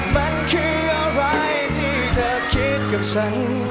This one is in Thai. มันคืออะไรที่เธอคิดกับฉัน